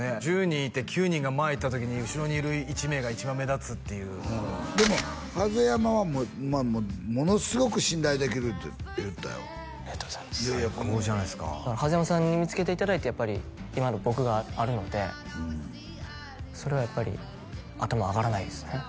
１０人いて９人が前行った時に後ろにいる１名が一番目立つっていうでも櫨山はものすごく信頼できるって言ってたよありがとうございます最高じゃないですか櫨山さんに見つけていただいてやっぱり今の僕があるのでそれはやっぱり頭上がらないですね